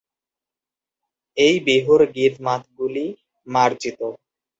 এই বিহুর গীত-মাতগুলি মার্জিত।